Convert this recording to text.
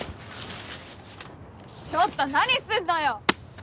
ちょっと何すんのよ！